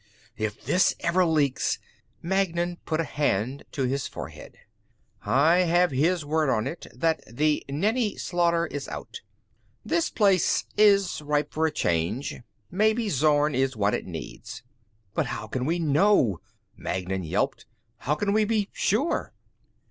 "If this ever leaks...." Magnan put a hand to his forehead. "I have his word on it that the Nenni slaughter is out. This place is ripe for a change. Maybe Zorn is what it needs." "But how can we know?" Magnan yelped. "How can we be sure?"